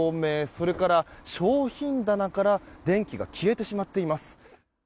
それから商品棚から電気が消えてしまっています。